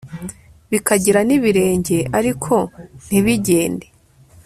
bikagira n'ibirenge, ariko ntibigende